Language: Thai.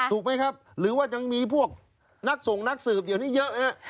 ถูกไหมครับหรือว่ายังมีพวกนักส่งนักสืบเดี๋ยวนี้เยอะฮะ